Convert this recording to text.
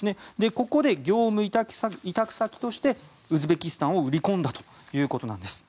ここで業務委託先としてウズベキスタンを売り込んだということなんです。